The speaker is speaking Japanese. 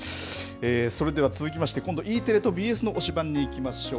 それでは続きまして、今度ＥテレとＢＳの推しバン！にいきましょう。